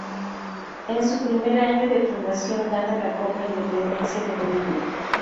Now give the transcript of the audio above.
En su primer año de fundación gana la Copa Independencia de Bolivia.